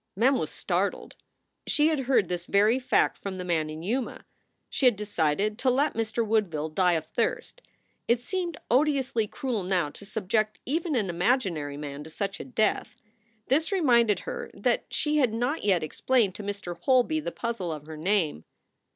Mem was startled. She had heard this very fact from the man in Yuma. She had decided to let Mr. Woodville die of thirst. It seemed odiously cruel now to subject even an imaginary man to such a death. This reminded her that she had not yet explained to Mr. Holby the puzzle of her name.